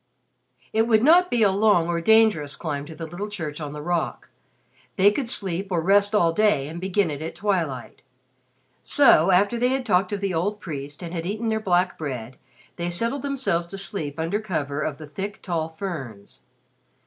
It would not be a long or dangerous climb to the little church on the rock. They could sleep or rest all day and begin it at twilight. So after they had talked of the old priest and had eaten their black bread, they settled themselves to sleep under cover of the thick tall ferns.